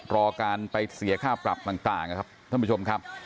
รอการไปเสียค่าปรับต่างนะครับท่านผู้ชมครับ